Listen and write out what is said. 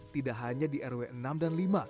tidak hanya di rw enam dan lima